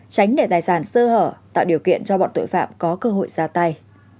tránh để tài sản sơ hở tạo điều kiện cho bọn tội phạm có cơ hội ra tay